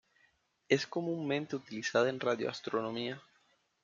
Es comúnmente utilizada en radioastronomía.